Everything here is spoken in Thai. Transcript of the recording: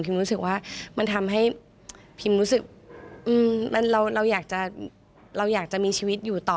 รู้สึกว่ามันทำให้พิมรู้สึกเราอยากจะมีชีวิตอยู่ต่อ